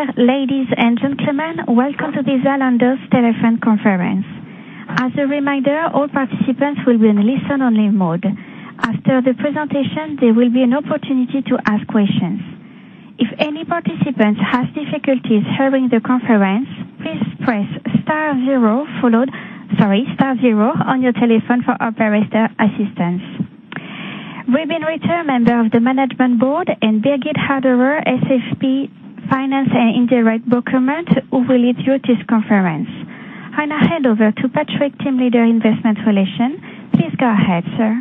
Dear ladies and gentlemen, welcome to the Zalando telephone conference. As a reminder, all participants will be in listen-only mode. After the presentation, there will be an opportunity to ask questions. If any participant has difficulties hearing the conference, please press star zero on your telephone for operator assistance. Rubin Ritter, member of the management board, and Birgit Haderer, SVP finance and indirect procurement, who will lead you this conference. I now hand over to Patrick, Team Leader, investor relations. Please go ahead, sir.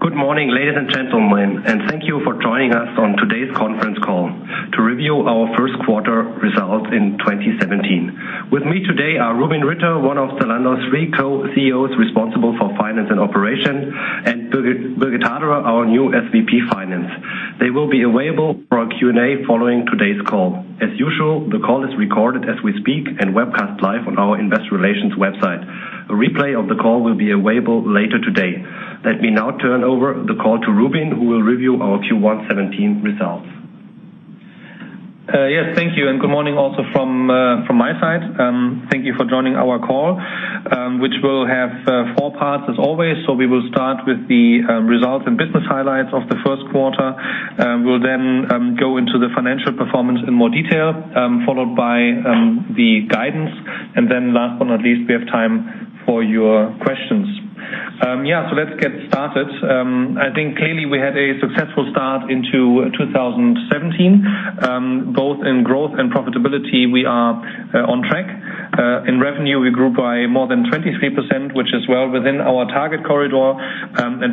Good morning, ladies and gentlemen, thank you for joining us on today's conference call to review our first quarter results in 2017. With me today are Rubin Ritter, one of Zalando's three Co-CEOs responsible for finance and operation, and Birgit Haderer, our new SVP finance. They will be available for our Q&A following today's call. As usual, the call is recorded as we speak and webcast live on our investor relations website. A replay of the call will be available later today. Let me now turn over the call to Rubin, who will review our Q1 2017 results. Yes, thank you. Good morning also from my side. Thank you for joining our call, which will have four parts as always. We will start with the results and business highlights of the first quarter. We will then go into the financial performance in more detail, followed by the guidance. Last but not least, we have time for your questions. Let's get started. I think clearly we had a successful start into 2017. Both in growth and profitability, we are on track. In revenue, we grew by more than 23%, which is well within our target corridor.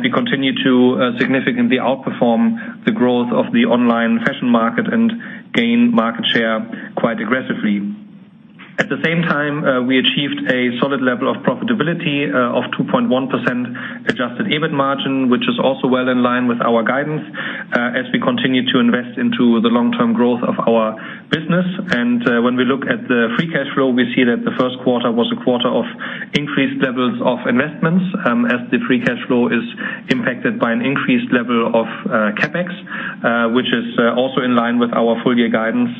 We continue to significantly outperform the growth of the online fashion market and gain market share quite aggressively. At the same time, we achieved a solid level of profitability of 2.1% adjusted EBIT margin, which is also well in line with our guidance as we continue to invest into the long-term growth of our business. When we look at the free cash flow, we see that the first quarter was a quarter of increased levels of investments as the free cash flow is impacted by an increased level of CapEx, which is also in line with our full-year guidance.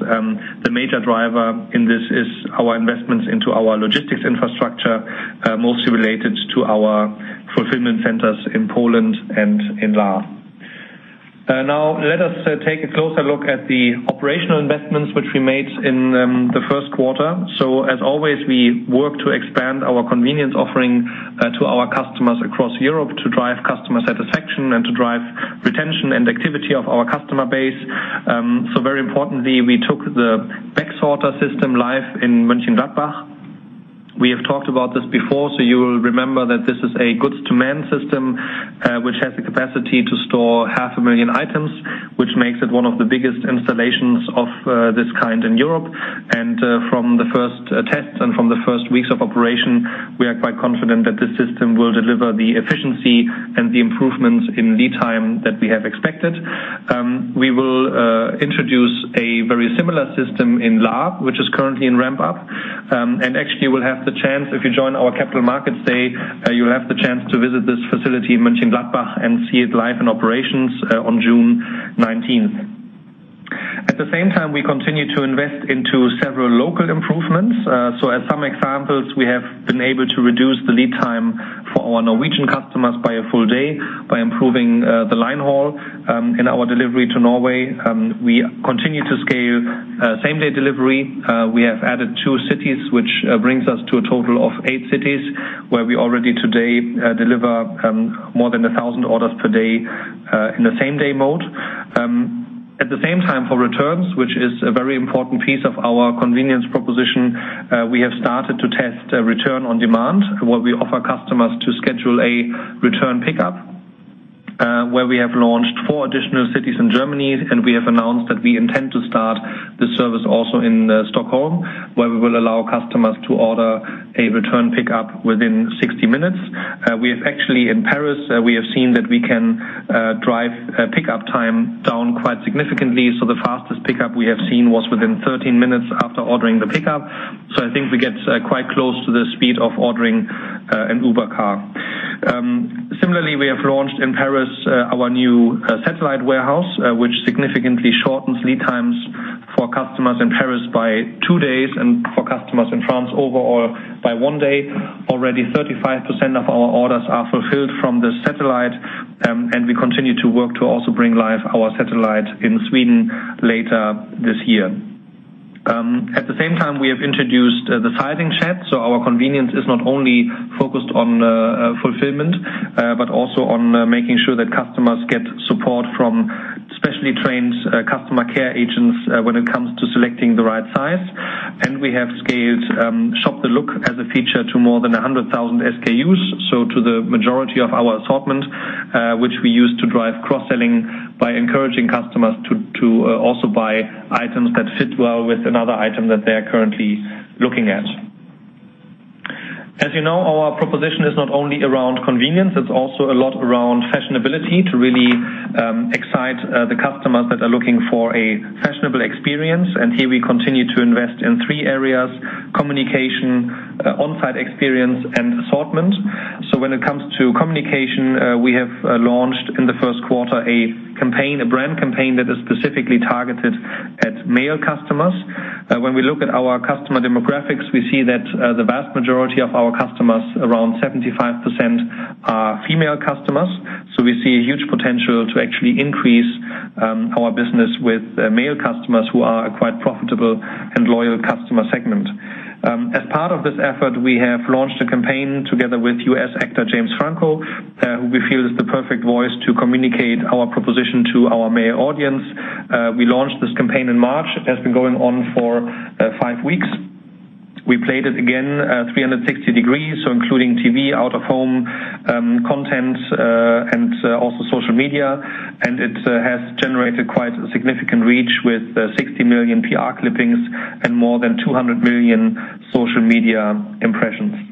The major driver in this is our investments into our logistics infrastructure, mostly related to our fulfillment centers in Poland and in Lahr. Now let us take a closer look at the operational investments which we made in the first quarter. As always, we work to expand our convenience offering to our customers across Europe to drive customer satisfaction and to drive retention and activity of our customer base. Very importantly, we took the bag sorter system live in Mönchengladbach. We have talked about this before, you will remember that this is a Goods-to-person system, which has the capacity to store 500,000 items, which makes it one of the biggest installations of this kind in Europe. From the first tests and from the first weeks of operation, we are quite confident that the system will deliver the efficiency and the improvements in lead time that we have expected. We will introduce a very similar system in Lahr, which is currently in ramp-up. Actually, you will have the chance, if you join our Capital Markets Day, you'll have the chance to visit this facility in Mönchengladbach and see it live in operations on June 19th. At the same time, we continue to invest into several local improvements. As some examples, we have been able to reduce the lead time for our Norwegian customers by a full day by improving the line haul in our delivery to Norway. We continue to scale same-day delivery. We have added two cities, which brings us to a total of eight cities, where we already today deliver more than 1,000 orders per day in the same-day mode. At the same time, for returns, which is a very important piece of our convenience proposition, we have started to test Return on Demand, where we offer customers to schedule a return pickup, where we have launched four additional cities in Germany. We have announced that we intend to start this service also in Stockholm, where we will allow customers to order a return pickup within 60 minutes. We have actually, in Paris, we have seen that we can drive pickup time down quite significantly. The fastest pickup we have seen was within 13 minutes after ordering the pickup. I think we get quite close to the speed of ordering an Uber car. Similarly, we have launched in Paris our new satellite warehouse, which significantly shortens lead times for customers in Paris by two days and for customers in France overall by one day. Already 35% of our orders are fulfilled from the satellite, we continue to work to also bring live our satellite in Sweden later this year. At the same time, we have introduced the Sizing Chat. Our convenience is not only focused on fulfillment but also on making sure that customers get support from specially trained customer care agents when it comes to selecting the right size. We have scaled Shop The Look as a feature to more than 100,000 SKUs, to the majority of our assortment, which we use to drive cross-selling by encouraging customers to also buy items that fit well with another item that they are currently looking at. As you know, our proposition is not only around convenience, it's also a lot around fashionability to really excite the customers that are looking for a fashionable experience. Here we continue to invest in three areas: communication, on-site experience, and assortment. When it comes to communication, we have launched in the first quarter a brand campaign that is specifically targeted at male customers. When we look at our customer demographics, we see that the vast majority of our customers, around 75%, are female customers. We see a huge potential to actually increase our business with male customers who are a quite profitable and loyal customer segment. As part of this effort, we have launched a campaign together with U.S. actor James Franco, who we feel is the perfect voice to communicate our proposition to our male audience. We launched this campaign in March. It has been going on for five weeks. We played it, again, 360 degrees, including TV, out-of-home content, and also social media. It has generated quite a significant reach with 60 million PR clippings and more than 200 million social media impressions.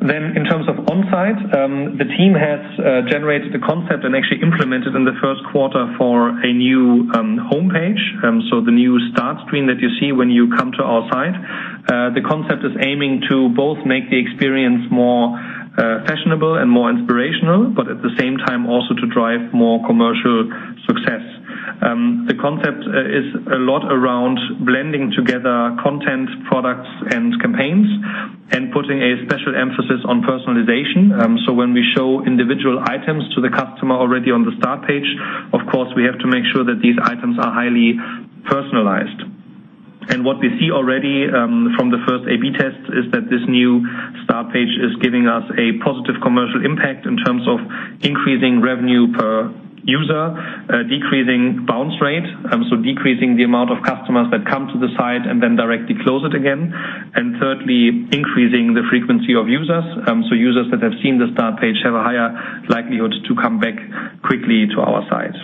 In terms of on-site, the team has generated a concept and actually implemented in the first quarter for a new homepage. The new start screen that you see when you come to our site. The concept is aiming to both make the experience more fashionable and more inspirational, but at the same time, also to drive more commercial success. The concept is a lot around blending together content, products, and campaigns and putting a special emphasis on personalization. When we show individual items to the customer already on the start page, of course, we have to make sure that these items are highly personalized. What we see already from the first A/B test is that this new start page is giving us a positive commercial impact in terms of increasing revenue per user, decreasing bounce rate, decreasing the amount of customers that come to the site and then directly close it again. Thirdly, increasing the frequency of users. Users that have seen the start page have a higher likelihood to come back quickly to our site.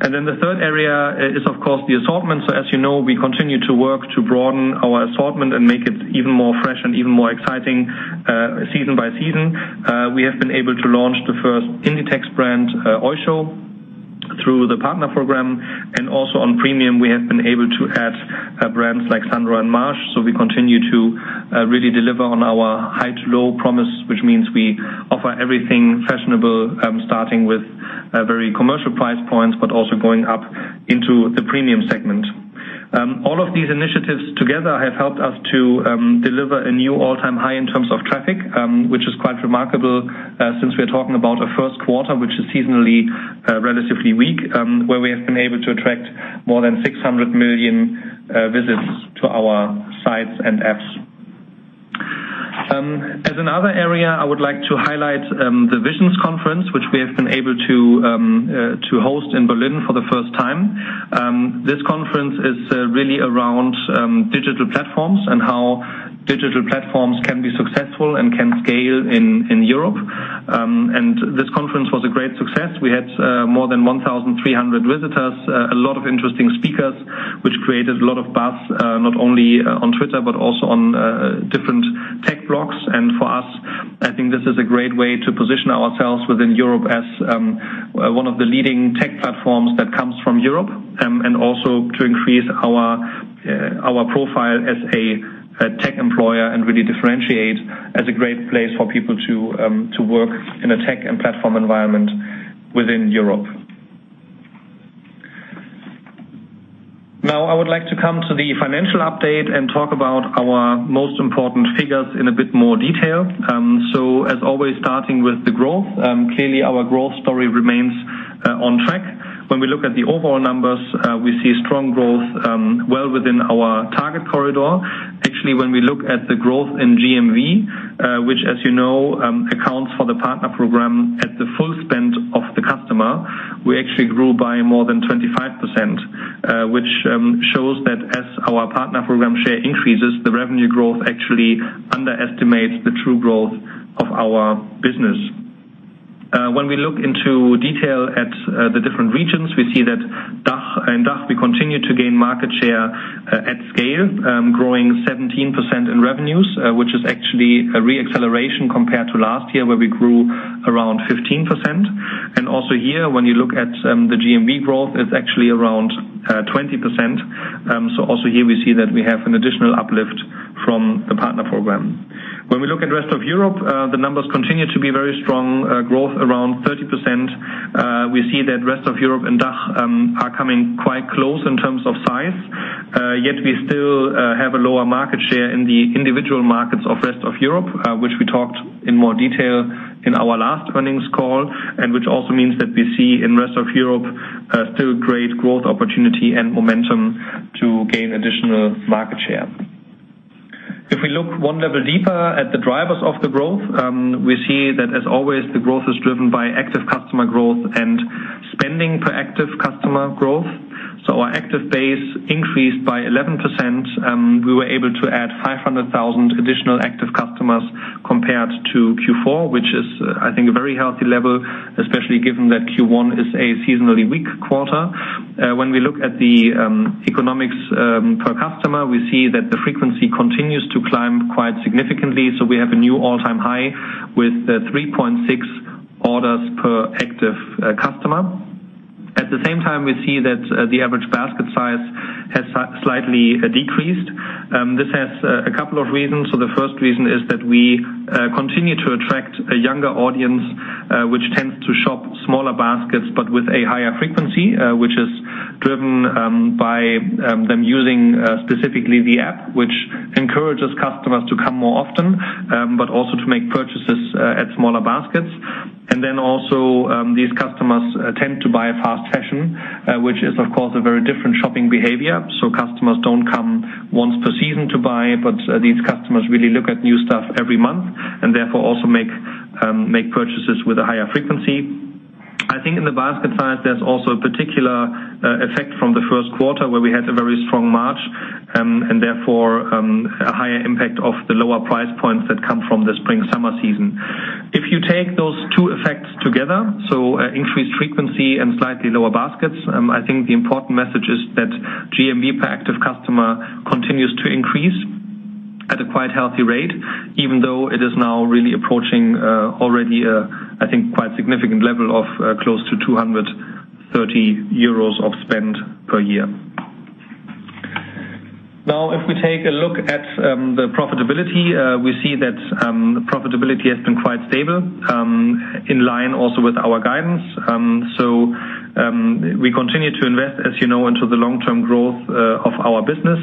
The third area is, of course, the assortment. As you know, we continue to work to broaden our assortment and make it even more fresh and even more exciting, season by season. We have been able to launch the first Inditex brand, Oysho, through the partner program. Also on premium, we have been able to add brands like Sandro and Maje. We continue to really deliver on our high-to-low promise, which means we offer everything fashionable, starting with very commercial price points, but also going up into the premium segment. All of these initiatives together have helped us to deliver a new all-time high in terms of traffic, which is quite remarkable since we're talking about a first quarter, which is seasonally relatively weak, where we have been able to attract more than 600 million visits to our sites and apps. As another area, I would like to highlight the Vizions Conference, which we have been able to host in Berlin for the first time. This conference is really around digital platforms and how digital platforms can be successful and can scale in Europe. This conference was a great success. We had more than 1,300 visitors, a lot of interesting speakers, which created a lot of buzz, not only on Twitter but also on different tech blogs. For us, I think this is a great way to position ourselves within Europe as one of the leading tech platforms that comes from Europe, and also to increase our profile as a tech employer and really differentiate as a great place for people to work in a tech and platform environment within Europe. I would like to come to the financial update and talk about our most important figures in a bit more detail. As always, starting with the growth. Clearly, our growth story remains on track. When we look at the overall numbers, we see strong growth well within our target corridor. Actually, when we look at the growth in GMV, which as you know accounts for the partner program at the full spend of the customer, we actually grew by more than 25%, which shows that as our partner program share increases, the revenue growth actually underestimates the true growth of our business. When we look into detail at the different regions, we see that in DACH, we continue to gain market share at scale, growing 17% in revenues, which is actually a re-acceleration compared to last year, where we grew around 15%. Also here, when you look at the GMV growth, it's actually around 20%. Also here we see that we have an additional uplift from the partner program. When we look at the rest of Europe, the numbers continue to be very strong, growth around 30%. We see that rest of Europe and DACH are coming quite close in terms of size. Yet we still have a lower market share in the individual markets of rest of Europe, which we talked in more detail in our last earnings call, which also means that we see in rest of Europe still great growth opportunity and momentum to gain additional market share. If we look one level deeper at the drivers of the growth, we see that as always, the growth is driven by active customer growth and spending per active customer growth. Our active base increased by 11%, and we were able to add 500,000 additional active customers compared to Q4, which is, I think, a very healthy level, especially given that Q1 is a seasonally weak quarter. When we look at the economics per customer, we see that the frequency continues to climb quite significantly. We have a new all-time high with 3.6 orders per active customer. At the same time, we see that the average basket size has slightly decreased. This has a couple of reasons. The first reason is that we continue to attract a younger audience, which tends to shop smaller baskets but with a higher frequency, which is driven by them using specifically the app, which encourages customers to come more often, but also to make purchases at smaller baskets. Then also, these customers tend to buy fast fashion, which is, of course, a very different shopping behavior. Customers don't come once per season to buy, but these customers really look at new stuff every month and therefore also make purchases with a higher frequency. I think in the basket size, there's also a particular effect from the first quarter where we had a very strong March, and therefore, a higher impact of the lower price points that come from the spring-summer season. If you take those two effects together, so increased frequency and slightly lower baskets, I think the important message is that GMV per active customer continues to increase at a quite healthy rate, even though it is now really approaching already, I think, quite significant level of close to 230 euros of spend per year. If we take a look at the profitability, we see that profitability has been quite stable, in line also with our guidance. We continue to invest, as you know, into the long-term growth of our business.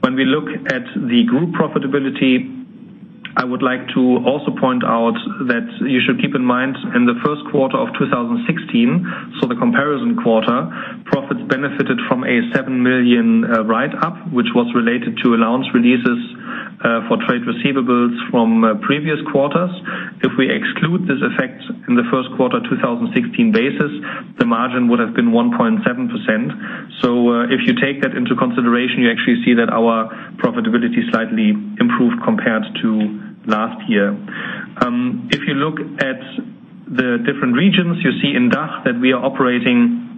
When we look at the group profitability, I would like to also point out that you should keep in mind, in the first quarter of 2016, so the comparison quarter, profits benefited from a 7 million write-up, which was related to allowance releases for trade receivables from previous quarters. If we exclude this effect in the first quarter 2016 basis, the margin would have been 1.7%. If you take that into consideration, you actually see that our profitability slightly improved compared to last year. If you look at the different regions, you see in DACH that we are operating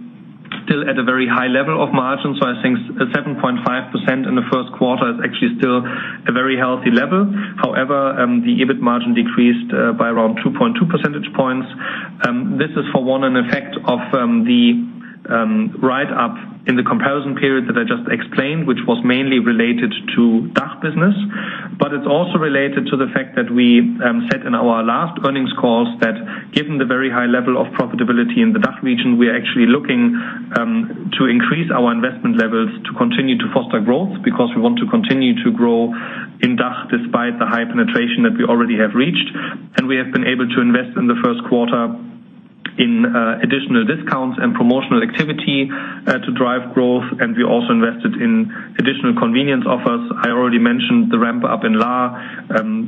still at a very high level of margin. I think 7.5% in the first quarter is actually still a very healthy level. However, the EBIT margin decreased by around 2.2 percentage points. This is for one, an effect of the write-up in the comparison period that I just explained, which was mainly related to DACH business. It's also related to the fact that we said in our last earnings calls that given the very high level of profitability in the DACH region, we are actually looking to increase our investment levels to continue to foster growth because we want to continue to grow in DACH despite the high penetration that we already have reached. We have been able to invest in the first quarter in additional discounts and promotional activity to drive growth. We also invested in additional convenience offers. I already mentioned the ramp-up in Lahr,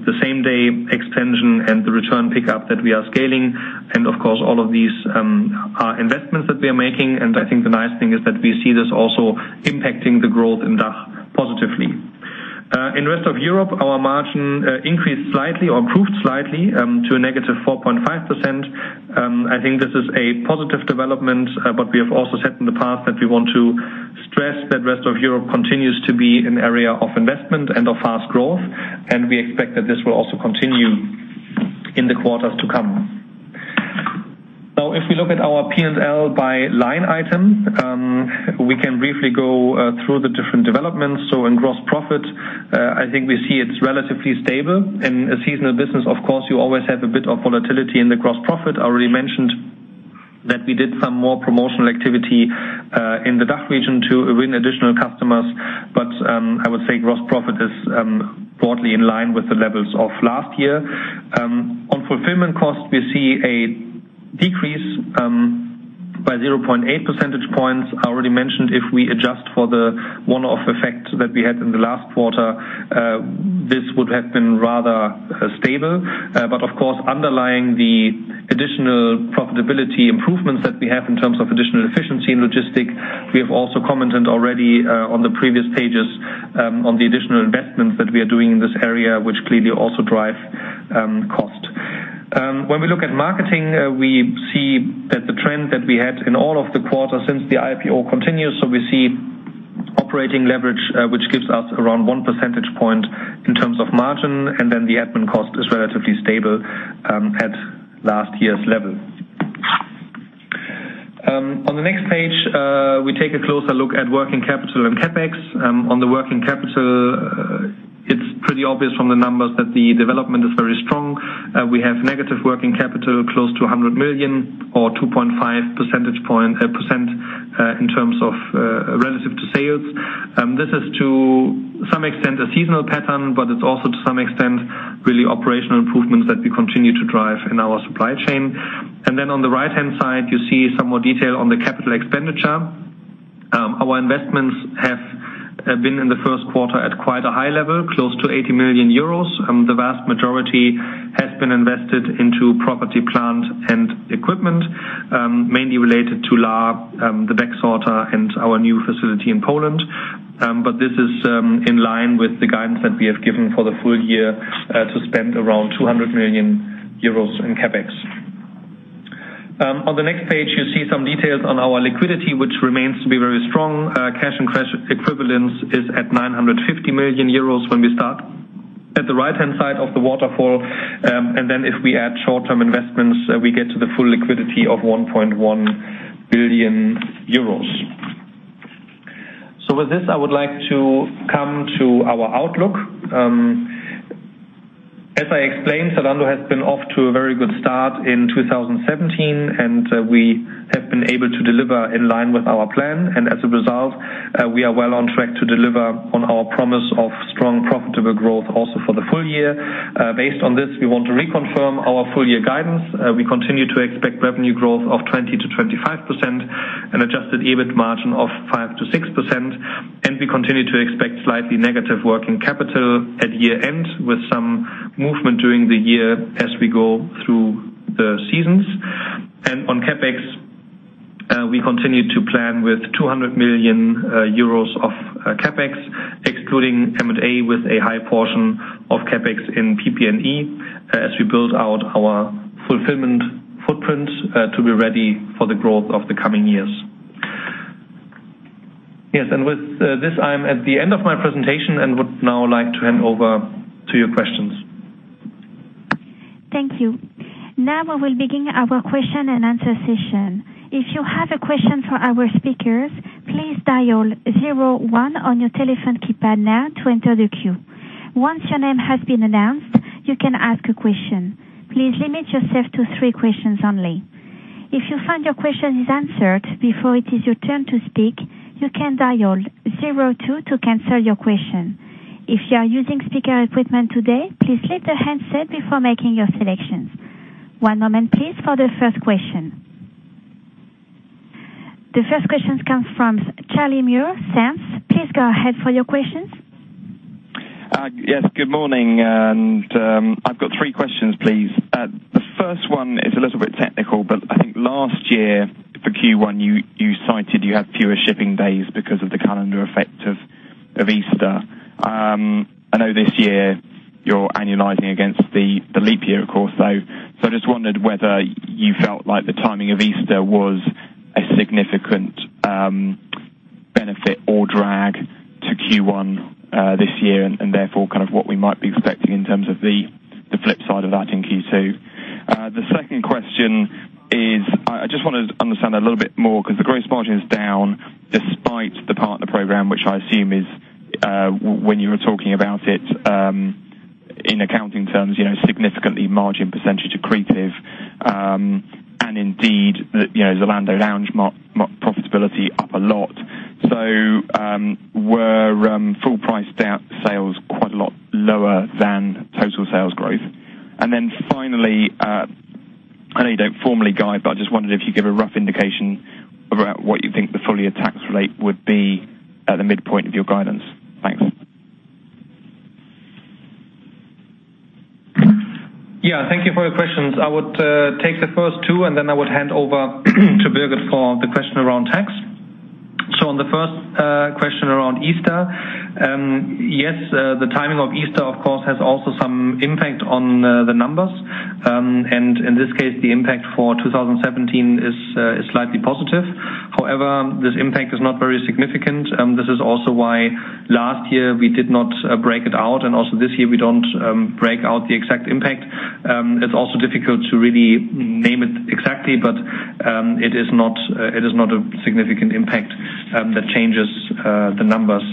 the same-day extension, and the return pickup that we are scaling. Of course, all of these are investments that we are making. I think the nice thing is that we see this also impacting the growth in DACH positively. In rest of Europe, our margin increased slightly or improved slightly to a negative 4.5%. I think this is a positive development. We have also said in the past that we want to stress that rest of Europe continues to be an area of investment and of fast growth, and we expect that this will also continue in the quarters to come. If we look at our P&L by line item, we can briefly go through the different developments. In gross profit, I think we see it's relatively stable. In a seasonal business, of course, you always have a bit of volatility in the gross profit. I already mentioned that we did some more promotional activity in the DACH region to win additional customers. I would say gross profit is broadly in line with the levels of last year. On fulfillment cost, we see a decrease by 0.8 percentage points. I already mentioned if we adjust for the one-off effect that we had in the last quarter, this would have been rather stable. Of course, underlying the additional profitability improvements that we have in terms of additional efficiency in logistics, we have also commented already on the previous pages on the additional investments that we are doing in this area, which clearly also drive cost. When we look at marketing, we see that the trend that we had in all of the quarters since the IPO continues. We see operating leverage, which gives us around one percentage point in terms of margin, and then the admin cost is relatively stable at last year's level. On the next page, we take a closer look at working capital and CapEx. On the working capital, it is pretty obvious from the numbers that the development is very strong. We have negative working capital close to 100 million or 2.5% relative to sales. This is to some extent a seasonal pattern, but it is also to some extent really operational improvements that we continue to drive in our supply chain. Then on the right-hand side, you see some more detail on the capital expenditure. Our investments have been in the first quarter at quite a high level, close to 80 million euros. The vast majority has been invested into property, plant, and equipment, mainly related to Lahr, the Backsorter, and our new facility in Poland. This is in line with the guidance that we have given for the full year to spend around 200 million euros in CapEx. On the next page, you see some details on our liquidity, which remains to be very strong. Cash and cash equivalents is at 950 million euros when we start at the right-hand side of the waterfall. Then if we add short-term investments, we get to the full liquidity of 1.1 billion euros. With this, I would like to come to our outlook. As I explained, Zalando has been off to a very good start in 2017, and we have been able to deliver in line with our plan. As a result, we are well on track to deliver on our promise of strong, profitable growth also for the full year. Based on this, we want to reconfirm our full-year guidance. We continue to expect revenue growth of 20%-25% and adjusted EBIT margin of 5%-6%. We continue to expect slightly negative working capital at year-end, with some movement during the year as we go through the seasons. On CapEx, we continue to plan with 200 million euros of CapEx, excluding M&A with a high portion of CapEx in PP&E as we build out our fulfillment footprint to be ready for the growth of the coming years. With this, I am at the end of my presentation and would now like to hand over to your questions. Thank you. Now we will begin our question-and-answer session. If you have a question for our speakers, please dial zero one on your telephone keypad now to enter the queue. Once your name has been announced, you can ask a question. Please limit yourself to three questions only. If you find your question is answered before it is your turn to speak, you can dial zero two to cancel your question. If you are using speaker equipment today, please slit the handset before making your selections. One moment please for the first question. The first question comes from Charlie Muir-Sands. Please go ahead for your questions. Good morning. I've got three questions, please. The first one is a little bit technical. I think last year for Q1, you cited you had fewer shipping days because of the calendar effect of Easter. I know this year you're annualizing against the leap year, of course. I just wondered whether you felt like the timing of Easter was a significant benefit or drag to Q1 this year, and therefore, kind of what we might be expecting in terms of the flip side of that in Q2. The second question is, I just want to understand a little bit more. The gross margin is down despite the partner program, which I assume is, when you were talking about it in accounting terms, significantly margin percentage accretive. Indeed, the Zalando Lounge profitability up a lot. Were full price sales quite a lot lower than total sales growth? Finally, I know you don't formally guide. I just wondered if you'd give a rough indication about what you think the full year tax rate would be at the midpoint of your guidance. Thanks. Thank you for your questions. I would take the first two. I would hand over to Birgit for the question around tax. On the first question around Easter. The timing of Easter, of course, has also some impact on the numbers. However, this impact is not very significant. This is also why last year we did not break it out. This year we don't break out the exact impact. It's also difficult to really name it exactly. It is not a significant impact that changes the numbers.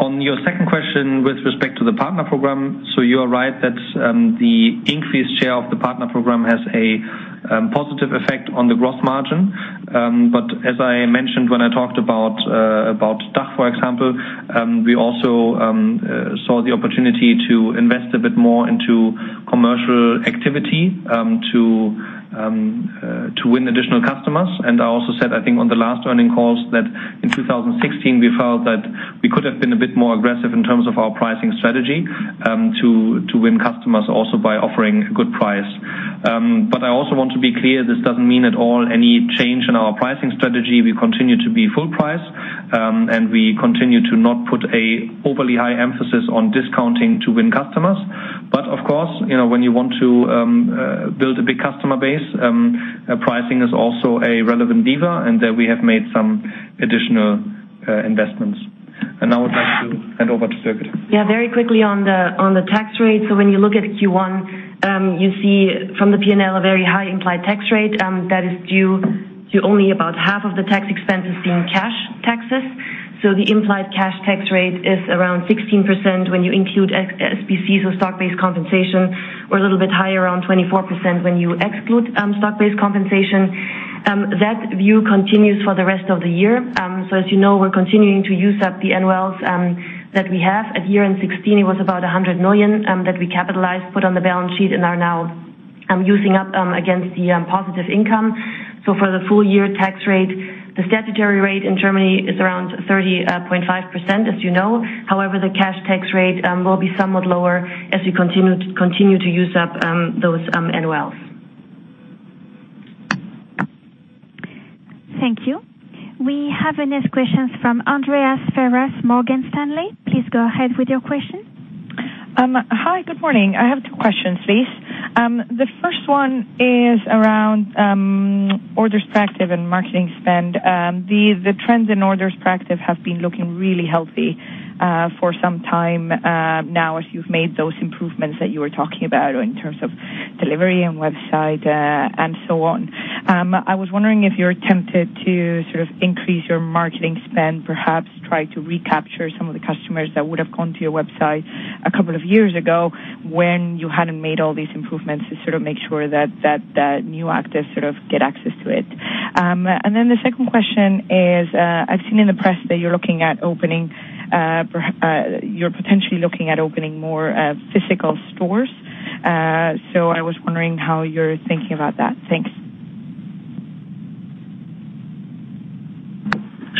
On your second question with respect to the partner program. You are right that the increased share of the partner program has a positive effect on the gross margin. As I mentioned when I talked about DACH, for example, we also saw the opportunity to invest a bit more into commercial activity to win additional customers. I also said, I think on the last earning calls that in 2016 we felt that we could have been a bit more aggressive in terms of our pricing strategy to win customers also by offering a good price. I also want to be clear, this doesn't mean at all any change in our pricing strategy. We continue to be full price, we continue to not put an overly high emphasis on discounting to win customers. Of course, when you want to build a big customer base, pricing is also a relevant lever and there we have made some additional investments. Now I'd like to hand over to Birgit. Very quickly on the tax rate. When you look at Q1, you see from the P&L a very high implied tax rate, that is due to only about half of the tax expenses being cash taxes. The implied cash tax rate is around 16% when you include SBCs or stock-based compensation, or a little bit higher on 24% when you exclude stock-based compensation. That view continues for the rest of the year. As you know, we're continuing to use up the NOLs that we have. At year-end 2016, it was about 100 million that we capitalized, put on the balance sheet, and are now using up against the positive income. For the full year tax rate, the statutory rate in Germany is around 30.5% as you know. However, the cash tax rate will be somewhat lower as we continue to use up those NOLs. Thank you. We have the next questions from Andreas Ferles, Morgan Stanley. Please go ahead with your question. Hi. Good morning. I have two questions, please. The first one is around orders per active and marketing spend. The trends in orders per active have been looking really healthy for some time now as you've made those improvements that you were talking about in terms of delivery and website and so on. I was wondering if you're tempted to increase your marketing spend, perhaps try to recapture some of the customers that would have gone to your website a couple of years ago when you hadn't made all these improvements to make sure that the new actives get access to it. The second question is, I've seen in the press that you're potentially looking at opening more physical stores. I was wondering how you're thinking about that. Thanks.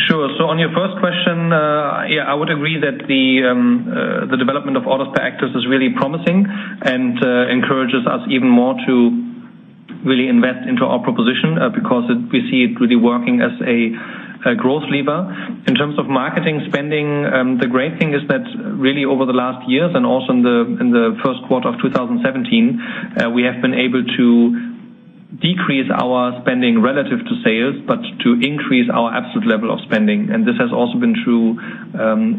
Sure. On your first question, I would agree that the development of orders per active is really promising and encourages us even more to really invest into our proposition because we see it really working as a growth lever. In terms of marketing spending, the great thing is that really over the last years and also in the first quarter of 2017, we have been able to decrease our spending relative to sales, but to increase our absolute level of spending, and this has also been true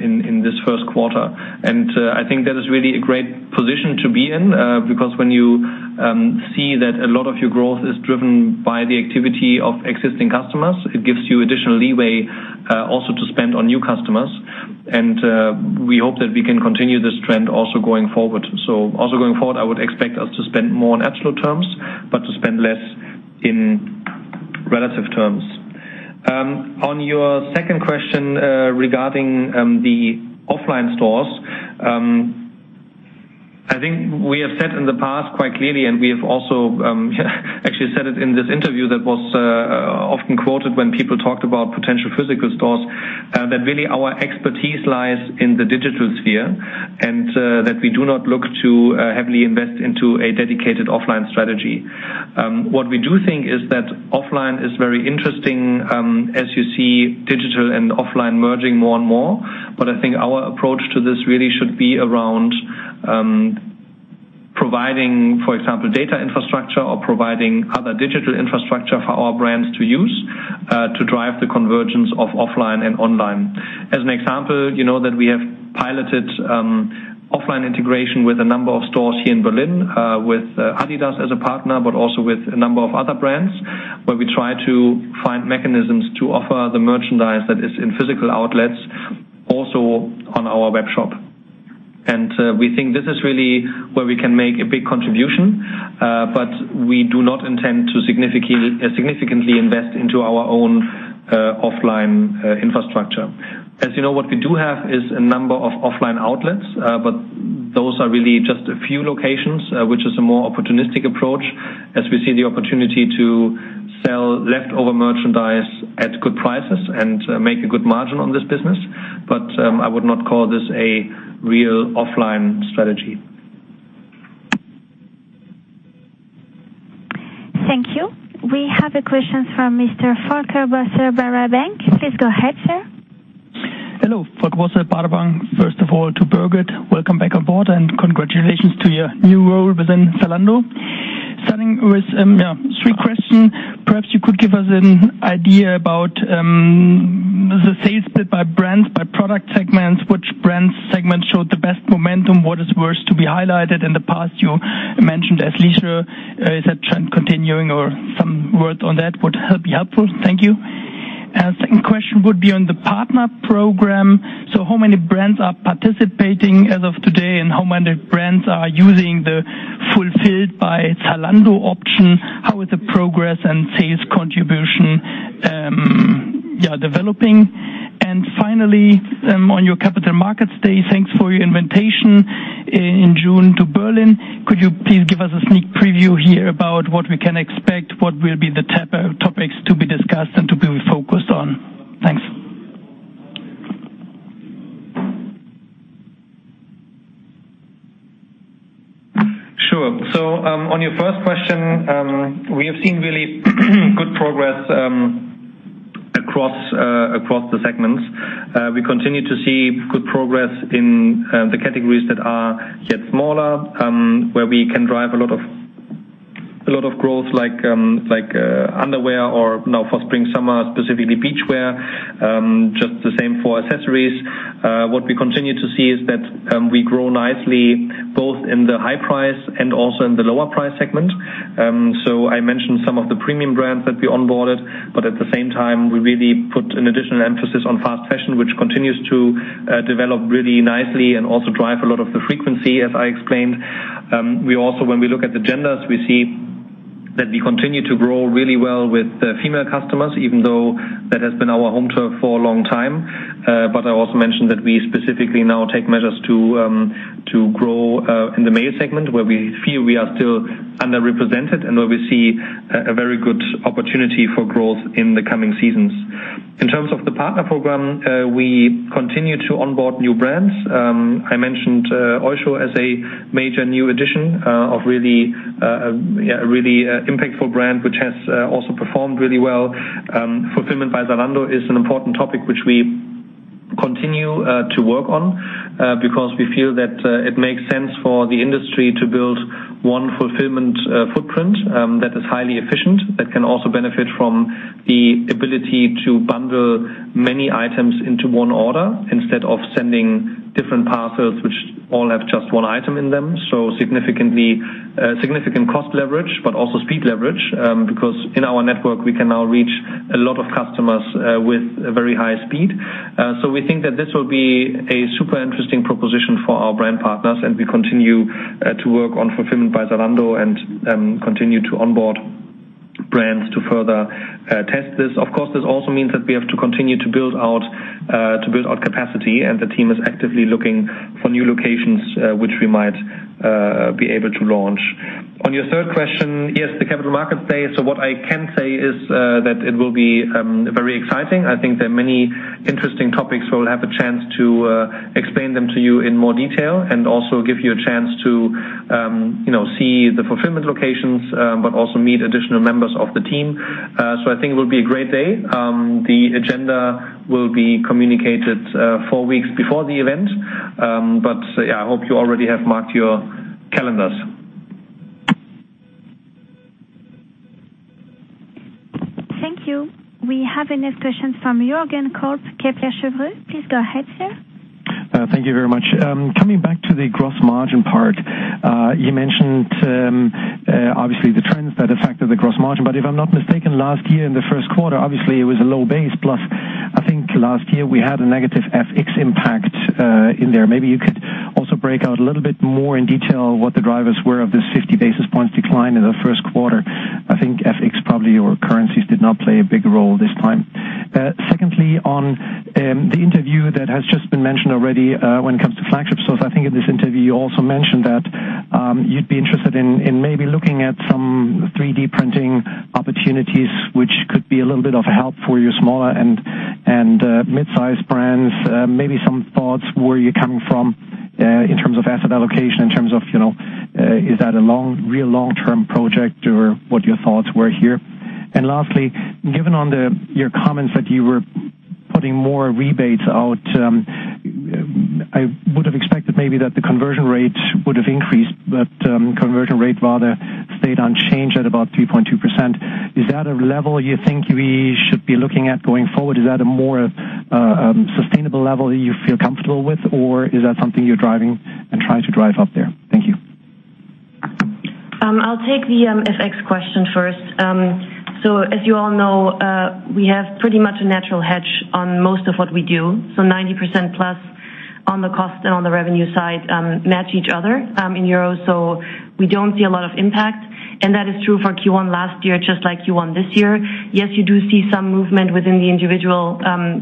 in this first quarter. I think that is really a great position to be in because when you see that a lot of your growth is driven by the activity of existing customers, it gives you additional leeway also to spend on new customers. We hope that we can continue this trend also going forward. Also going forward, I would expect us to spend more in absolute terms, but to spend less in relative terms. On your second question regarding the offline stores, I think we have said in the past quite clearly, and we have also actually said it in this interview that was often quoted when people talked about potential physical stores, that really our expertise lies in the digital sphere and that we do not look to heavily invest into a dedicated offline strategy. What we do think is that offline is very interesting as you see digital and offline merging more and more. I think our approach to this really should be around providing, for example, data infrastructure or providing other digital infrastructure for our brands to use to drive the convergence of offline and online. As an example, you know that we have piloted offline integration with a number of stores here in Berlin, with Adidas as a partner, but also with a number of other brands, where we try to find mechanisms to offer the merchandise that is in physical outlets, also on our web shop. We think this is really where we can make a big contribution. We do not intend to significantly invest into our own offline infrastructure. As you know, what we do have is a number of offline outlets. Those are really just a few locations, which is a more opportunistic approach as we see the opportunity to sell leftover merchandise at good prices and make a good margin on this business. I would not call this a real offline strategy. Thank you. We have a question from Mr. Volker Bosse, Baader Bank. Please go ahead, sir. Volker Bosse, Baader Bank. First of all, to Birgit, welcome back on board and congratulations to your new role within Zalando. Three questions. Perhaps you could give us an idea about the sales split by brands, by product segments. Which brands segment showed the best momentum? What is worth to be highlighted? In the past, you mentioned athleisure. Is that trend continuing? Some word on that would be helpful. Thank you. Second question on the partner program. How many brands are participating as of today, and how many brands are using the Zalando Fulfilment Solutions option? How is the progress and sales contribution developing? Finally, on your Capital Markets Day, thanks for your invitation in June to Berlin. Could you please give us a sneak preview here about what we can expect? What will be the topics to be discussed and to be focused on? Thanks. Sure. On your first question, we have seen really good progress across the segments. We continue to see good progress in the categories that are yet smaller, where we can drive a lot of growth, like underwear or now for spring-summer, specifically beachwear. Just the same for accessories. What we continue to see is that we grow nicely both in the high price and also in the lower price segment. I mentioned some of the premium brands that we onboarded, but at the same time, we really put an additional emphasis on fast fashion, which continues to develop really nicely and also drive a lot of the frequency as I explained. We also, when we look at the genders, we see that we continue to grow really well with female customers, even though that has been our home turf for a long time. I also mentioned that we specifically now take measures to grow in the male segment, where we feel we are still underrepresented and where we see a very good opportunity for growth in the coming seasons. In terms of the partner program, we continue to onboard new brands. I mentioned Oysho as a major new addition of a really impactful brand, which has also performed really well. Fulfillment by Zalando is an important topic which we continue to work on, because we feel that it makes sense for the industry to build one fulfillment footprint that is highly efficient, that can also benefit from the ability to bundle many items into one order instead of sending different parcels which all have just one item in them. Significant cost leverage, also speed leverage, because in our network we can now reach a lot of customers with a very high speed. We think that this will be a super interesting proposition for our brand partners and we continue to work on fulfillment by Zalando and continue to onboard brands to further test this. Of course, this also means that we have to continue to build out capacity and the team is actively looking for new locations which we might be able to launch. On your third question, yes, the Capital Markets Day. What I can say is that it will be very exciting. I think there are many interesting topics. We'll have a chance to explain them to you in more detail and also give you a chance to see the fulfillment locations, but also meet additional members of the team. I think it will be a great day. The agenda will be communicated 4 weeks before the event. Yeah, I hope you already have marked your calendars. Thank you. We have the next question from Jürgen Kolb, Kepler Cheuvreux. Please go ahead, sir. Thank you very much. Coming back to the gross margin part. You mentioned, obviously the trends that affected the gross margin, but if I'm not mistaken, last year in the first quarter, obviously it was a low base plus I think last year we had a negative FX impact in there. Maybe you could also break out a little bit more in detail what the drivers were of this 50 basis points decline in the first quarter. I think FX probably or currencies did not play a big role this time. Secondly, on the interview that has just been mentioned already, when it comes to flagship stores, I think in this interview you also mentioned that you'd be interested in maybe looking at some 3D printing opportunities which could be a little bit of help for your smaller and mid-size brands. Lastly, given on your comments that you were putting more rebates out, I would've expected maybe that the conversion rate would've increased but conversion rate rather stayed unchanged at about 3.2%. Is that a level you think we should be looking at going forward? Is that a more sustainable level you feel comfortable with or is that something you're driving and trying to drive up there? Thank you. I'll take the FX question first. As you all know, we have pretty much a natural hedge on most of what we do. 90% plus on the cost and on the revenue side match each other in euros. We don't see a lot of impact. That is true for Q1 last year, just like Q1 this year. Yes, you do see some movement within the individual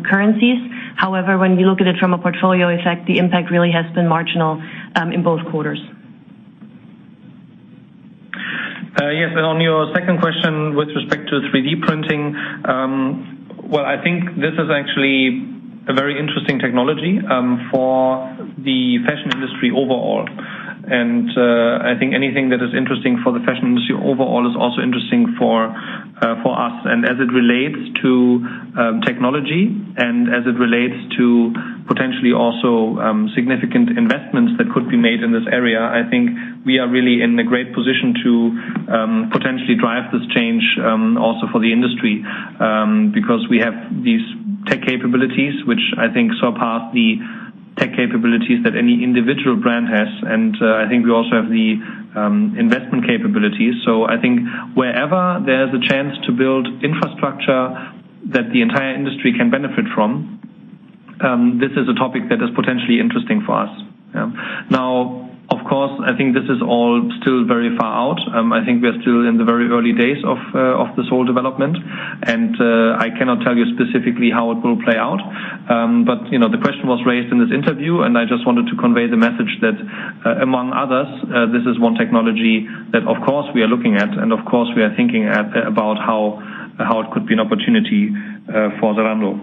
currencies. However, when you look at it from a portfolio effect, the impact really has been marginal in both quarters. Yes. On your second question with respect to 3D printing, well, I think this is actually a very interesting technology for the fashion industry overall. I think anything that is interesting for the fashion industry overall is also interesting for us and as it relates to technology and as it relates to potentially also significant investments that could be made in this area. I think we are really in a great position to potentially drive this change, also for the industry, because we have these tech capabilities which I think surpass the tech capabilities that any individual brand has. I think we also have the investment capabilities. I think wherever there's a chance to build infrastructure that the entire industry can benefit from, this is a topic that is potentially interesting for us. Now of course, I think this is all still very far out. I think we are still in the very early days of this whole development and I cannot tell you specifically how it will play out. The question was raised in this interview and I just wanted to convey the message that, among others, this is one technology that of course we are looking at and of course we are thinking about how it could be an opportunity for Zalando.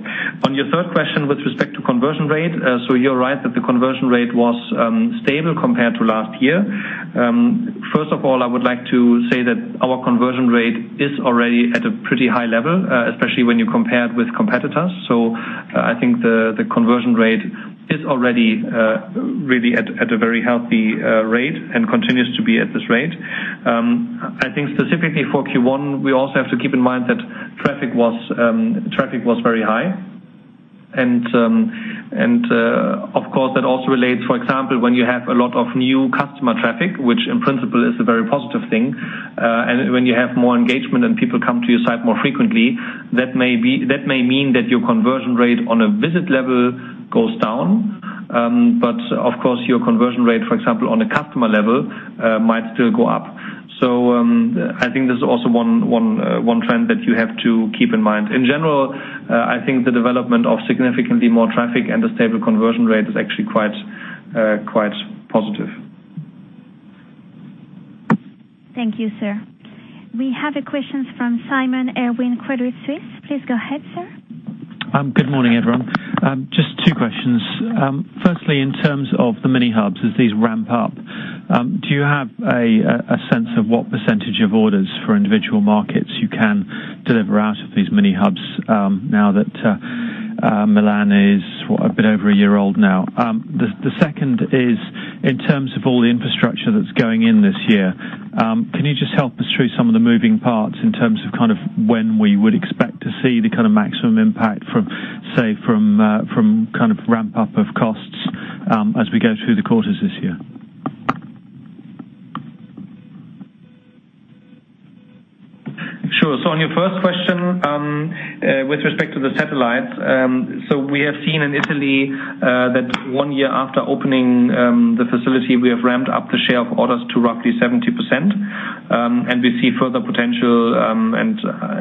On your third question with respect to conversion rate. You're right that the conversion rate was stable compared to last year. First of all, I would like to say that our conversion rate is already at a pretty high level, especially when you compare it with competitors. I think the conversion rate is already really at a very healthy rate and continues to be at this rate. I think specifically for Q1 we also have to keep in mind that traffic was very high and of course that also relates, for example, when you have a lot of new customer traffic, which in principle is a very positive thing. When you have more engagement and people come to your site more frequently, that may mean that your conversion rate on a visit level goes down. Of course your conversion rate, for example, on a customer level, might still go up. I think this is also one trend that you have to keep in mind. In general, I think the development of significantly more traffic and a stable conversion rate is actually quite positive. Thank you, sir. We have a question from Simon Irwin, Credit Suisse. Please go ahead, sir. Good morning, everyone. Just two questions. Firstly, in terms of the mini hubs, as these ramp up. Do you have a sense of what percentage of orders for individual markets you can deliver out of these mini hubs now that Milan is a bit over a year old now? The second is, in terms of all the infrastructure that's going in this year, can you just help us through some of the moving parts in terms of when we would expect to see the maximum impact from ramp-up of costs as we go through the quarters this year? On your first question, with respect to the satellites, we have seen in Italy that one year after opening the facility, we have ramped up the share of orders to roughly 70%. We see further potential, and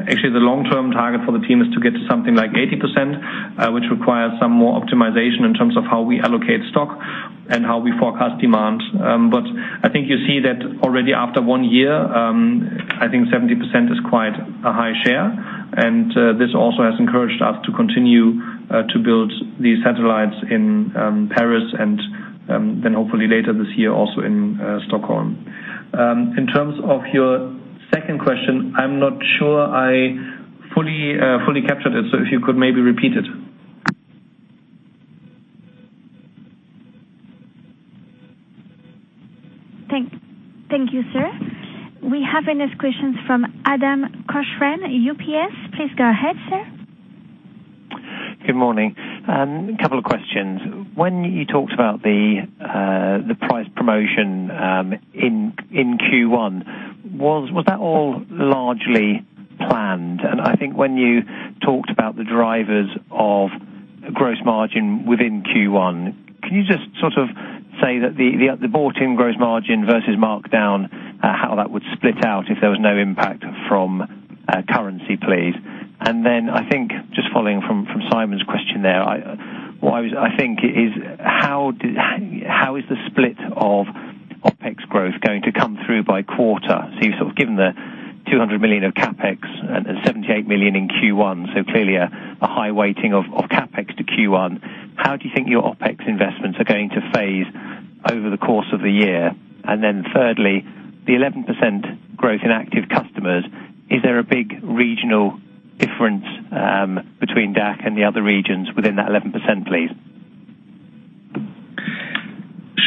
actually the long-term target for the team is to get to something like 80%, which requires some more optimization in terms of how we allocate stock and how we forecast demand. I think you see that already after one year, I think 70% is quite a high share, and this also has encouraged us to continue to build these satellites in Paris and then hopefully later this year also in Stockholm. In terms of your second question, I'm not sure I fully captured it, if you could maybe repeat it. Thank you, sir. We have the next questions from Adam Cochrane, UBS. Please go ahead, sir. Good morning. Couple of questions. When you talked about the price promotion in Q1, was that all largely planned? I think when you talked about the drivers of gross margin within Q1, can you just sort of say that the bought-in gross margin versus markdown, how that would split out if there was no impact from currency, please? Then I think just following from Simon's question there, I think it is how is the split of OpEx growth going to come through by quarter? You've sort of given the 200 million of CapEx and 78 million in Q1, clearly a high weighting of CapEx to Q1. How do you think your OpEx investments are going to phase over the course of the year? Then thirdly, the 11% growth in active customers, is there a big regional difference between DACH and the other regions within that 11%, please?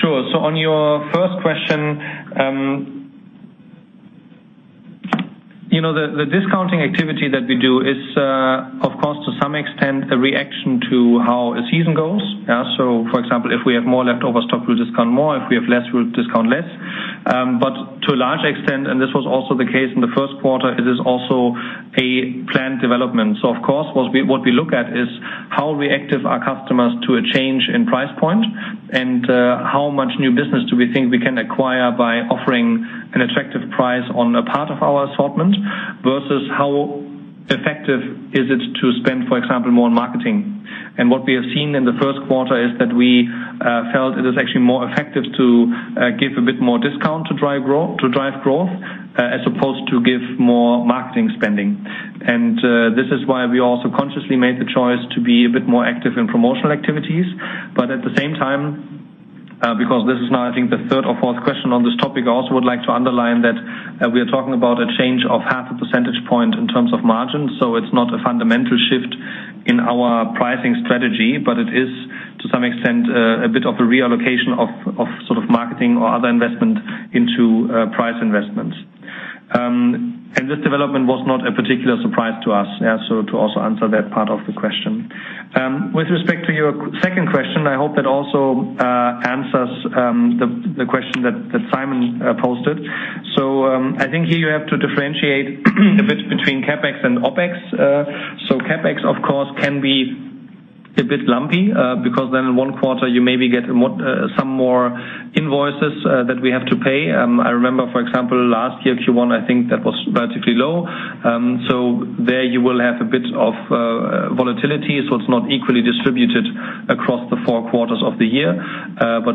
Sure. On your first question, the discounting activity that we do is, of course, to some extent a reaction to how a season goes. For example, if we have more leftover stock, we'll discount more. If we have less, we'll discount less. To a large extent, and this was also the case in the first quarter, it is also a planned development. Of course, what we look at is how reactive are customers to a change in price point and how much new business do we think we can acquire by offering an attractive price on a part of our assortment versus how effective is it to spend, for example, more on marketing. What we have seen in the first quarter is that we felt it is actually more effective to give a bit more discount to drive growth as opposed to give more marketing spending. This is why we also consciously made the choice to be a bit more active in promotional activities. At the same time, because this is now I think the third or fourth question on this topic, I also would like to underline that we are talking about a change of half a percentage point in terms of margin. It's not a fundamental shift in our pricing strategy, but it is to some extent, a bit of a reallocation of sort of marketing or other investment into price investments. This development was not a particular surprise to us, to also answer that part of the question. With respect to your second question, I hope that also answers the question that Simon posted. I think here you have to differentiate a bit between CapEx and OpEx. CapEx, of course, can be a bit lumpy because then in one quarter you maybe get some more invoices that we have to pay. I remember, for example, last year, Q1, I think that was vertically low. There you will have a bit of volatility. It's not equally distributed across the four quarters of the year.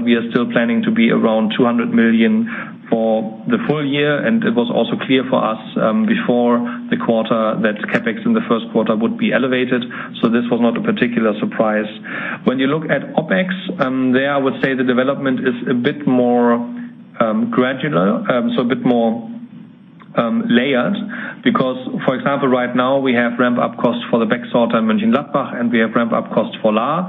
We are still planning to be around 200 million for the full year. It was also clear for us before the quarter that CapEx in the first quarter would be elevated. This was not a particular surprise. When you look at OpEx, there I would say the development is a bit more gradual, a bit more layered because, for example, right now we have ramp-up cost for the backsort in Mönchengladbach and we have ramp-up cost for Lahr,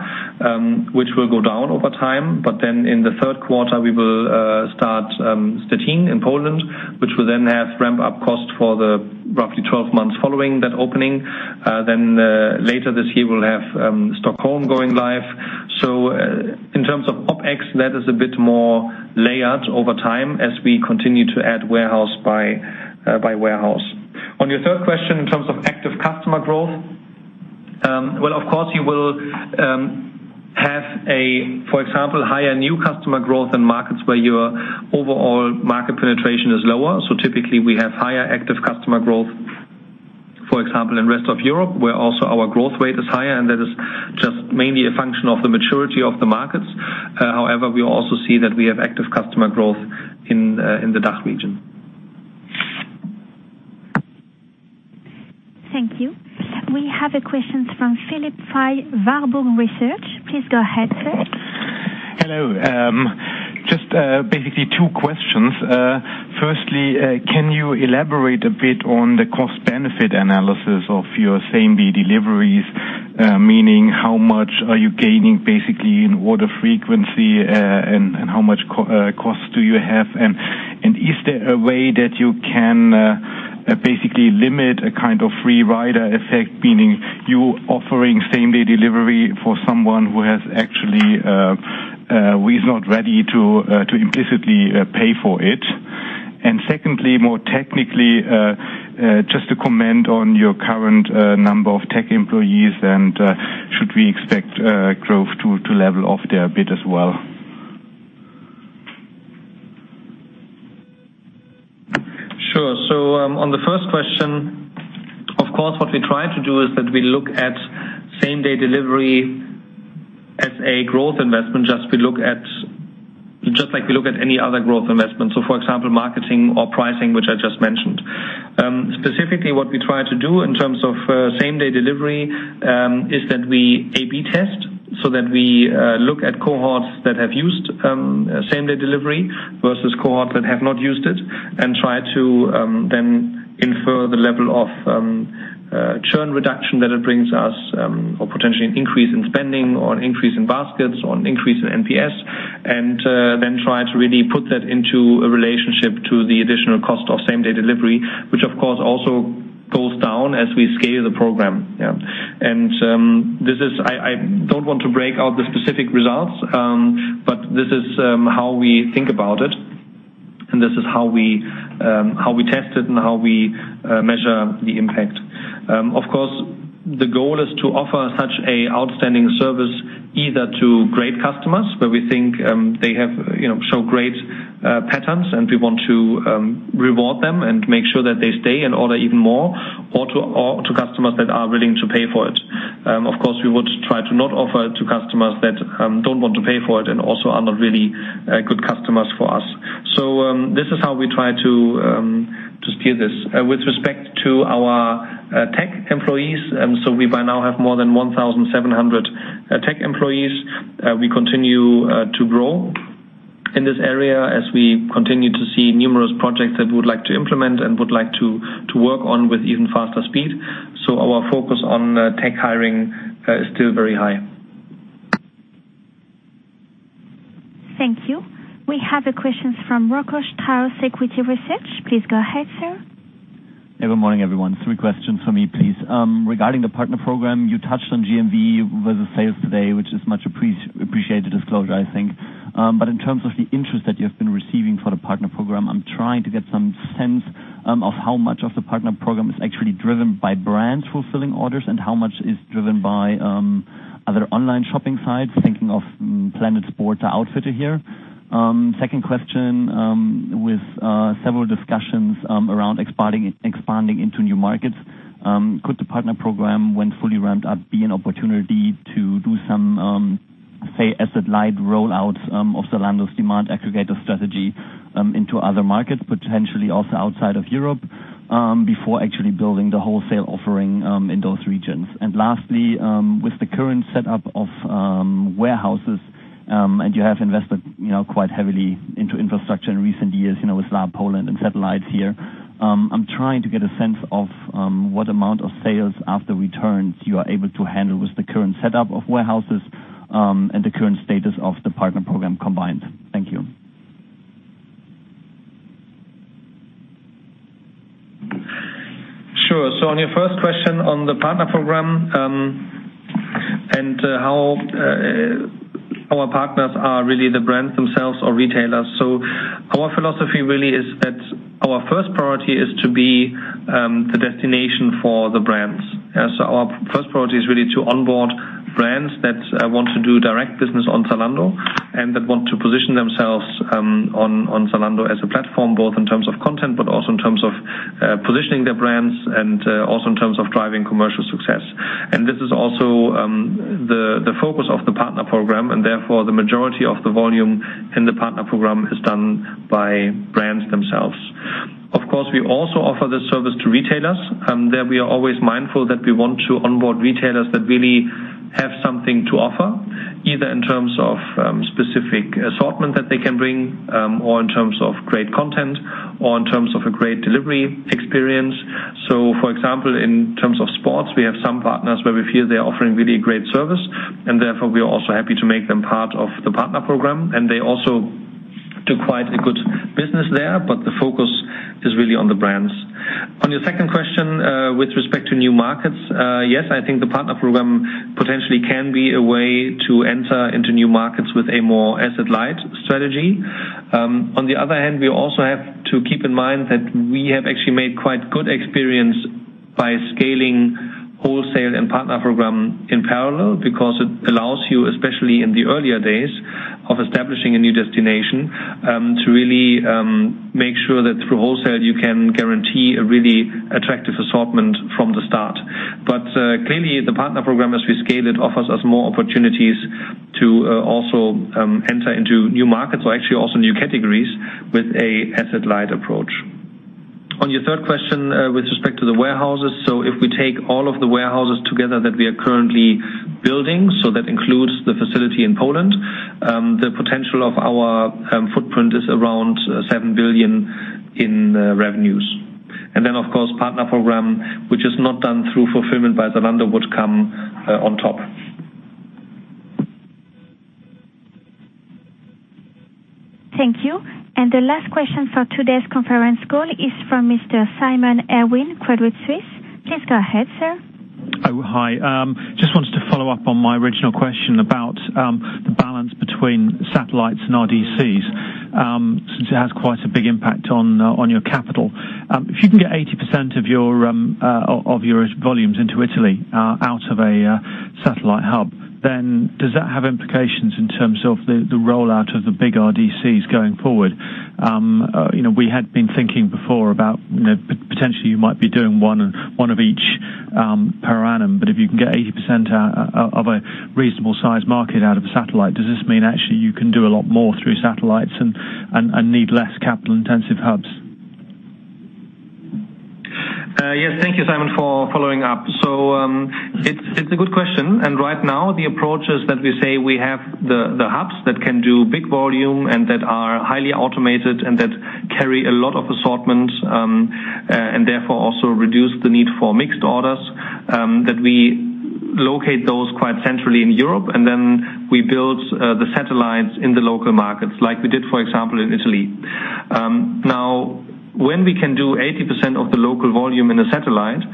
which will go down over time. In the third quarter we will start Szczecin in Poland, which will then have ramp-up cost for the roughly 12 months following that opening. Later this year, we'll have Stockholm going live. In terms of OpEx, that is a bit more layered over time as we continue to add warehouse by warehouse. On your third question, in terms of active customer growth, well, of course you will have a, for example, higher new customer growth in markets where your overall market penetration is lower. Typically we have higher active customer growth, for example, in rest of Europe, where also our growth rate is higher, and that is just mainly a function of the maturity of the markets. However, we also see that we have active customer growth in the DACH region. Thank you. We have a question from Philipp Fay, Warburg Research. Please go ahead, sir. Hello. Just basically two questions. Firstly, can you elaborate a bit on the cost-benefit analysis of your same-day deliveries? Meaning, how much are you gaining basically in order frequency, and how much cost do you have? Is there a way that you can basically limit a kind of free rider effect, meaning you offering same-day delivery for someone who is not ready to implicitly pay for it? Secondly, more technically, just to comment on your current number of tech employees and should we expect growth to level off there a bit as well? Sure. On the first question, of course, what we try to do is that we look at same-day delivery as a growth investment, just like we look at any other growth investment. For example, marketing or pricing, which I just mentioned. Specifically, what we try to do in terms of same-day delivery, is that we A/B test, so that we look at cohorts that have used same-day delivery versus cohorts that have not used it and try to then infer the level of churn reduction that it brings us or potentially an increase in spending or an increase in baskets or an increase in NPS. Then try to really put that into a relationship to the additional cost of same-day delivery, which of course also goes down as we scale the program. I don't want to break out the specific results, but this is how we think about it, and this is how we test it and how we measure the impact. Of course, the goal is to offer such an outstanding service either to great customers where we think they show great patterns, and we want to reward them and make sure that they stay and order even more, or to customers that are willing to pay for it. Of course, we would try to not offer it to customers that don't want to pay for it and also are not really good customers for us. This is how we try to steer this. With respect to our tech employees, we by now have more than 1,700 tech employees. We continue to grow in this area as we continue to see numerous projects that we would like to implement and would like to work on with even faster speed. Our focus on tech hiring is still very high. Thank you. We have a question from Roeland Loof, Equity Research. Please go ahead, sir. Good morning, everyone. Three questions for me, please. Regarding the partner program, you touched on GMV versus sales today, which is much appreciated disclosure, I think. In terms of the interest that you have been receiving for the partner program, I'm trying to get some sense of how much of the partner program is actually driven by brands fulfilling orders, and how much is driven by other online shopping sites, thinking of Planet Sports or Outfitter here. Second question, with several discussions around expanding into new markets, could the partner program, when fully ramped up, be an opportunity to do some, say, asset light roll-outs of the Zalando's demand aggregator strategy into other markets, potentially also outside of Europe, before actually building the wholesale offering in those regions? Lastly, with the current setup of warehouses, and you have invested quite heavily into infrastructure in recent years, with Lahr Poland and Satellites here. I'm trying to get a sense of what amount of sales after returns you are able to handle with the current setup of warehouses, and the current status of the partner program combined. Thank you. On your first question on the partner program, and how our partners are really the brands themselves or retailers. Our philosophy really is that our first priority is to be the destination for the brands. Our first priority is really to onboard brands that want to do direct business on Zalando, that want to position themselves on Zalando as a platform, both in terms of content, but also in terms of positioning their brands in terms of driving commercial success. This is also the focus of the partner program, therefore, the majority of the volume in the partner program is done by brands themselves. Of course, we also offer this service to retailers. There we are always mindful that we want to onboard retailers that really have something to offer. Either in terms of specific assortment that they can bring, or in terms of great content, or in terms of a great delivery experience. For example, in terms of sports, we have some partners where we feel they're offering really great service, therefore we are also happy to make them part of the partner program. They also do quite a good business there, the focus is really on the brands. On your second question, with respect to new markets, yes, I think the partner program potentially can be a way to enter into new markets with a more asset-light strategy. On the other hand, we also have to keep in mind that we have actually made quite good experience by scaling wholesale and partner program in parallel because it allows you, especially in the earlier days of establishing a new destination, to really make sure that through wholesale, you can guarantee a really attractive assortment from the start. Clearly the partner program, as we scale it, offers us more opportunities to also enter into new markets or actually also new categories with an asset-light approach. On your third question with respect to the warehouses, if we take all of the warehouses together that we are currently building, that includes the facility in Poland, the potential of our footprint is around 7 billion in revenues. Then of course, partner program, which is not done through fulfillment by Zalando, would come on top. Thank you. The last question for today's conference call is from Mr. Simon Irwin, Credit Suisse. Please go ahead, sir. Oh, hi. Just wanted to follow up on my original question about the balance between satellites and RDCs, since it has quite a big impact on your capital. If you can get 80% of your volumes into Italy out of a satellite hub, does that have implications in terms of the rollout of the big RDCs going forward? We had been thinking before about potentially you might be doing one of each per annum, but if you can get 80% of a reasonable size market out of a satellite, does this mean actually you can do a lot more through satellites and need less capital-intensive hubs? Yes. Thank you, Simon, for following up. It's a good question, and right now the approach is that we say we have the hubs that can do big volume and that are highly automated and that carry a lot of assortments, and therefore also reduce the need for mixed orders, that we locate those quite centrally in Europe, and then we build the satellites in the local markets like we did, for example, in Italy. Now, when we can do 80% of the local volume in a satellite,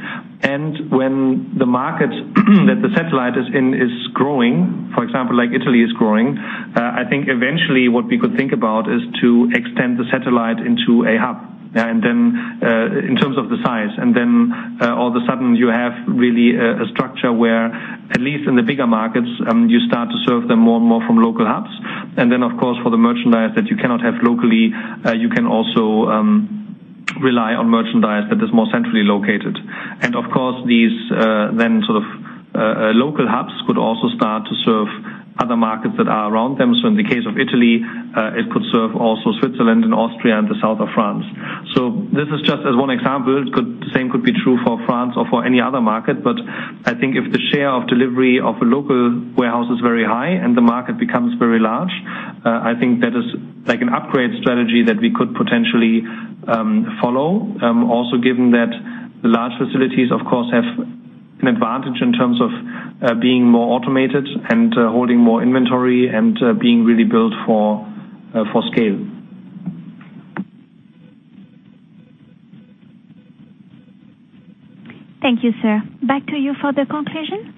and when the markets that the satellite is in is growing, for example, like Italy is growing, I think eventually what we could think about is to extend the satellite into a hub. In terms of the size, all of a sudden you have really a structure where, at least in the bigger markets, you start to serve them more and more from local hubs. Of course, for the merchandise that you cannot have locally, you can also rely on merchandise that is more centrally located. Of course, these then sort of local hubs could also start to serve other markets that are around them. In the case of Italy, it could serve also Switzerland and Austria and the south of France. This is just as one example. The same could be true for France or for any other market. I think if the share of delivery of a local warehouse is very high and the market becomes very large, I think that is an upgrade strategy that we could potentially follow. Given that large facilities, of course, have an advantage in terms of being more automated and holding more inventory and being really built for scale. Thank you, sir. Back to you for the conclusion.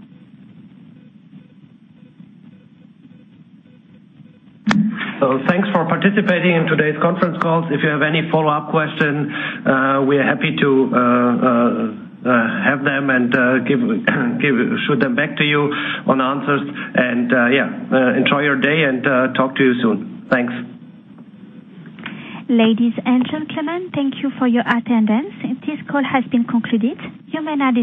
Thanks for participating in today's conference call. If you have any follow-up questions, we are happy to have them and shoot them back to you on answers. Enjoy your day and talk to you soon. Thanks. Ladies and gentlemen, thank you for your attendance. This call has been concluded. You may now disconnect.